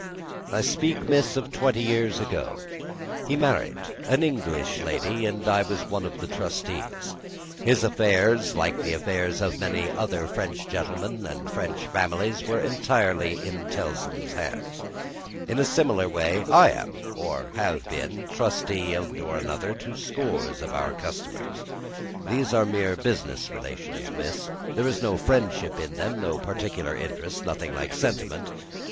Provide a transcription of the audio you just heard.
"I speak, miss, of twenty years ago. He married an English lady and I was one of the trustees. His affairs, like the affairs of many other French gentlemen and French families, were entirely in Tellson's hands. In a similar way I am, or I have been, trustee of one kind or other for scores of our customers. These are mere business relations, miss; there is no friendship in them, no particular interest, nothing like sentiment.